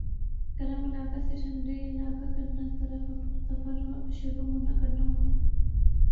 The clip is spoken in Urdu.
گرم علاقہ سے ٹھنڈے علاقہ کرنا طرف اپنانا سفر شروع کرنا ہونا